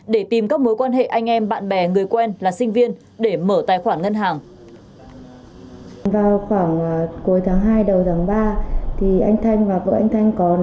để tìm các mối quan hệ anh em bạn bè người quen là sinh viên để mở tài khoản ngân hàng